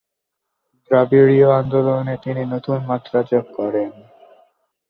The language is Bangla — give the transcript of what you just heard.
দ্রাবিড়ীয় আন্দোলনে তিনি নতুন মাত্রা যোগ করেন।